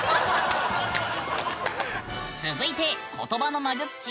続いて言葉の魔術師